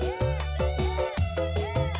aku mobil sedang